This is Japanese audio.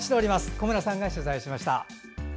小村さんが取材しました。